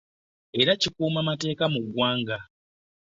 Era ekikuuma amateeka mu ggwanga